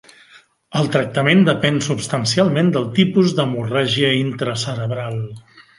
El tractament depèn substancialment del tipus d'hemorràgia intracerebral.